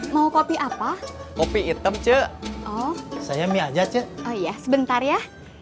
mau kopi apa kopi hitam cek oh saya mie aja cek oh iya sebentar ya